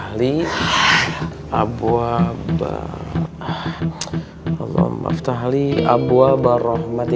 kalau envah nya tidak redirect ke dia semoga ga nggak contain